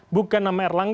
bukan nama erlangga